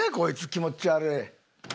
気持ち悪い。